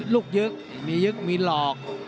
ยึกมียึกมีหลอก